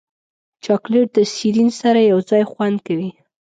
چاکلېټ د سیرین سره یوځای خوند کوي.